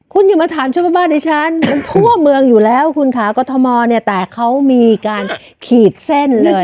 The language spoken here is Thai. คุณอย่ามาถามชาวบ้านบ้านดิฉันมันทั่วเมืองอยู่แล้วคุณค่ะกรทมเนี่ยแต่เขามีการขีดเส้นเลย